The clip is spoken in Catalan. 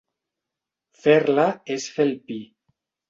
Fer-la és fer el pi.